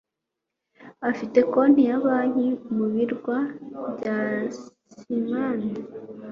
afite konti ya banki mu birwa bya Cayman.